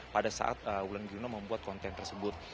pada saat wulan gino membuat konten tersebut